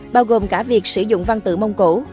bao gồm cả việc sử dụng văn tự mông cổ